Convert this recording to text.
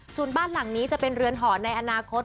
ส่วนบ้านหลังนี้จะเป็นเรือนหอในอนาคต